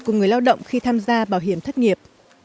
của người lao động khi tham gia bảo hiểm thất nghiệp